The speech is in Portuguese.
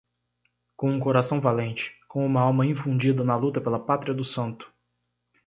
Com um coração valente, com uma alma infundida na luta pela pátria do santo!